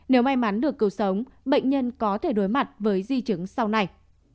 nếu may mắn được cứu sống bệnh nhân có thể đối mặt với di chứng sau này